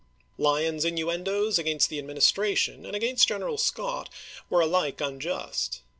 Lyon's innuendoes against the Administration and against General Scott were alike unjust.